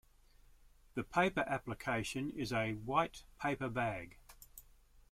The paper application is a white paper bag.